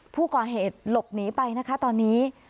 ผู้ก่อเหตุหลบหนีไปนะคะตอนนี้